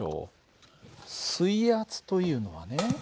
水圧というのはね